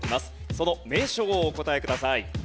その名称をお答えください。